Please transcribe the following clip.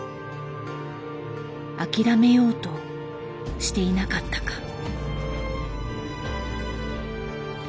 諦めようとしていなかったか。